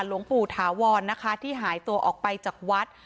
หลวงปู่ถาวรนะคะที่หายตัวออกไปจากวัด